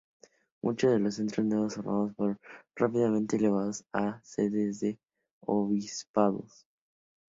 Muchos de los centros nuevos formados fueron rápidamente elevados a sedes de obispados.